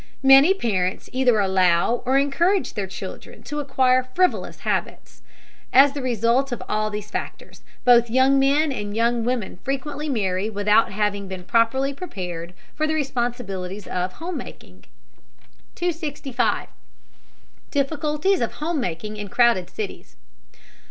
Many parents either allow or encourage their children to acquire frivolous habits. As the result of all of these factors, both young men and young women frequently marry without having been properly prepared for the responsibilities of home making. 265. DIFFICULTIES OF HOME MAKING IN CROWDED CITIES.